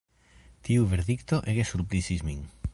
Tiu verdikto ege surprizis min.